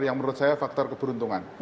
yang menurut saya faktor keberuntungan